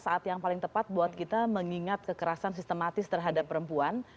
saat yang paling tepat buat kita mengingat kekerasan sistematis terhadap perempuan